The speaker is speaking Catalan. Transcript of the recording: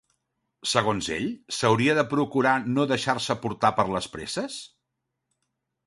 Segons ell, s'hauria de procurar no deixar-se portar per les presses?